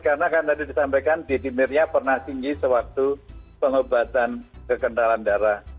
karena kan tadi disampaikan denimernya pernah tinggi sewaktu pengobatan kekentalan darah